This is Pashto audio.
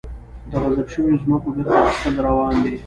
د غصب شویو ځمکو بیرته اخیستل روان دي؟